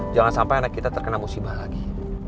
jangan sampai anak kita terkena musibah lagi